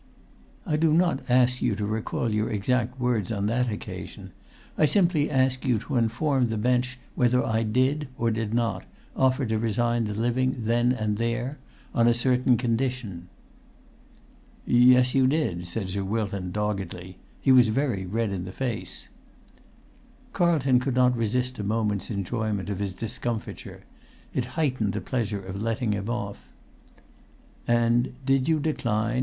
"I do not ask you to recall your exact words on that occasion. I simply ask you to inform the bench whether I did, or did not, offer to resign the living then and there—on a certain condition." "Yes; you did," said Sir Wilton, doggedly. He was very red in the face. Carlton could not resist a moment's enjoyment of his discomfiture: it heightened the pleasure of letting him off. "And did you decline?"